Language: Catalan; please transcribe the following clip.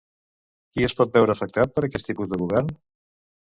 Qui es pot veure afectat per aquest tipus de govern?